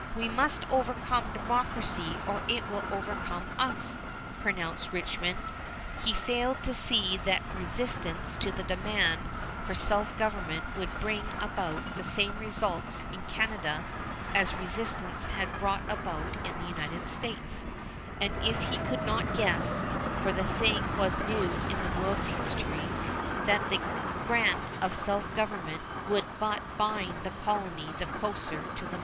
"We must overcome democracy or it will overcome us," pronounced Richmond. He failed to see that resistance to the demand for self government would bring about the same results in Canada as resistance had brought about in the United States, and he could not guess for the thing was new in the world's history that the grant of self government would but bind the colony the closer to the mother land.